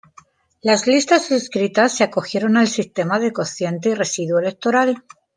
Las listas inscritas se acogieron al sistema de cociente y residuo electoral.